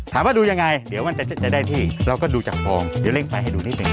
ดูยังไงเดี๋ยวมันจะได้ที่เราก็ดูจากฟองเดี๋ยวเร่งไฟให้ดูนิดหนึ่ง